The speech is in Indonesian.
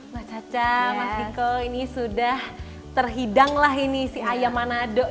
mas caca mas diko ini sudah terhidang lah ini si ayam manado ya